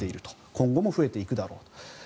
今後も増えていくだろう。